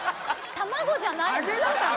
卵じゃないの？